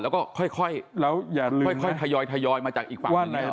แล้วก็ค่อยทยอยมาจากอีกฝั่งหนึ่ง